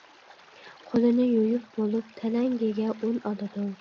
قولىنى يۇيۇپ بولۇپ تەلەڭگىگە ئۇن ئالىدۇ.